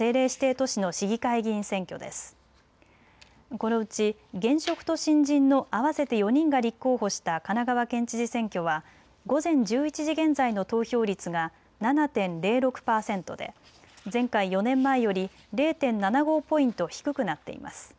このうち現職と新人の合わせて４人が立候補した神奈川県知事選挙は午前１１時現在の投票率が７．０６％で前回４年前より０．７５ポイント低くなっています。